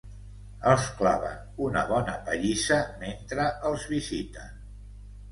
Els claven una bona pallissa mentre els visiten.